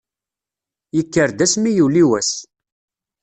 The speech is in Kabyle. Yekker-d asmi yuli wass.